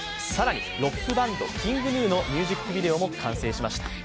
更に、ロックバンドＫｉｎｇＧｎｕのミュージックビデオも完成しました。